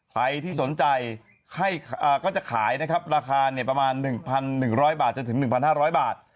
ใครที่สนใจก็จะขายนะครับราคาประมาณ๑๑๐๐บาทจนถึง๑๕๐๐บาท